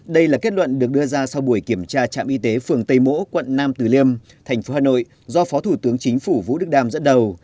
đây là kết luận được đưa ra sau buổi kiểm tra trạm y tế phường tây mỗ quận nam từ liêm tp hcm do phó thủ tướng chính phủ vũ đức đam dẫn đầu